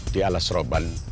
di alas roban